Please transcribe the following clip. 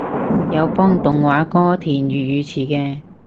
有幫動畫歌填粵語詞嘅